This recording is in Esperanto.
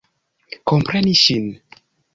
Kompreni ŝin.